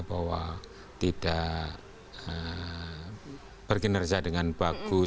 berkinerja dengan bagus